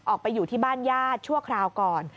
ออกไปอยู่ที่บ้านญาติชั่วคราวก่อน